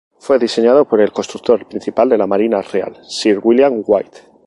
Fue diseñado por el constructor principal de la Marina Real, Sir William White.